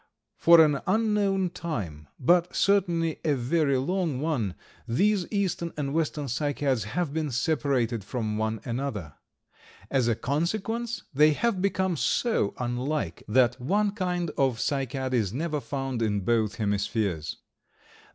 For an unknown time, but certainly a very long one, these eastern and western Cycads have been separated from one another. As a consequence they have become so unlike that one kind of Cycad is never found in both hemispheres.